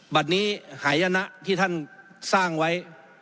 บัตรนี้หายนะที่ท่านสร้างไว้